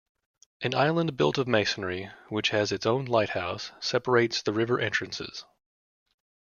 An island built of masonry, which has its own lighthouse, separates the river entrances.